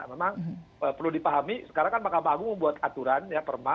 memang perlu dipahami sekarang kan mahkamah agung membuat aturan ya perma